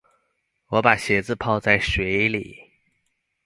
我把鞋子泡在水裡